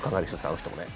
あの人もね。